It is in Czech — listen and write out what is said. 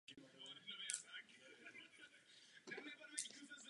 Následujícího roku byla budova dokončena.